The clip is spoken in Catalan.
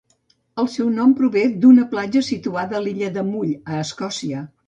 El seu nom prové del d'una platja situada a l'illa de Mull, a Escòcia.